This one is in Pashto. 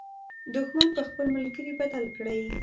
دښمن په خپل ملګري بدل کړئ.